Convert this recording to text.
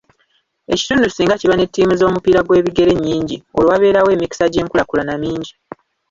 Ekitundu singa kiba ne ttiimu z'omupiira gw'ebigere ennyingi, olwo wabeerawo emikisa gy'enkulaakulana mingi.